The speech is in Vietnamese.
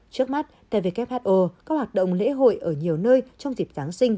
trước mắt tại who các hoạt động lễ hội ở nhiều nơi trong dịp giáng sinh